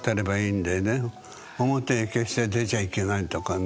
表に決して出ちゃいけないとかね。